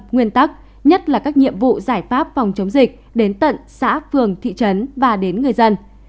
nguyên tắc nhất là các nhiệm vụ giải pháp phòng chống dịch đến tận xã phường thị trấn và đến người dân